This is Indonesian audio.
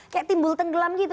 kayak timbul tenggelam gitu